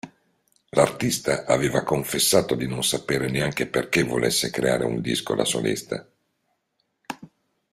L'artista aveva confessato di non sapere neanche perché volesse creare un disco da solista.